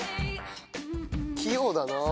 器用だな。